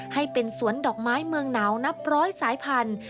ให้เป็นสวนดอกไม้เมืองหนาวนับร้อยสายพันธุ